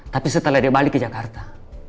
tapi setelah dia balik ke jakarta